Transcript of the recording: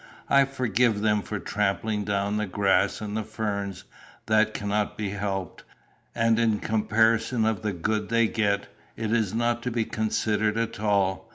I forgive them for trampling down the grass and the ferns. That cannot be helped, and in comparison of the good they get, is not to be considered at all.